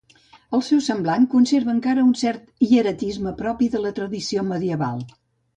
El seu semblant conserva encara un cert hieratisme propi de la tradició medieval.